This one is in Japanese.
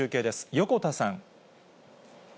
横田さん。